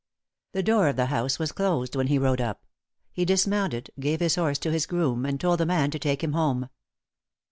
The door of the house was closed when he rode up. He dismounted, gave his horse to his groom, and told the man to take him home.